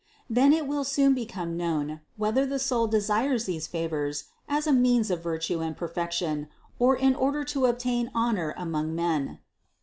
Then it will soon become known, whether the soul desires these favors as a means of vir tue and perfection or in order to obtain honor among men.